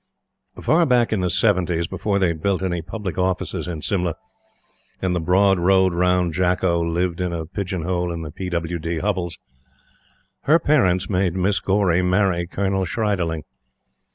Far back in the "seventies," before they had built any Public Offices at Simla, and the broad road round Jakko lived in a pigeon hole in the P. W. D. hovels, her parents made Miss Gaurey marry Colonel Schriederling.